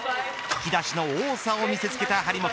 引き出しの多さを見せつけた張本。